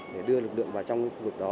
để đưa lực lượng vào trong khu vực đó